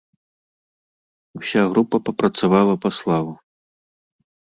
Уся група папрацавала па славу.